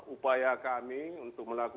upaya kami untuk mencari pelaku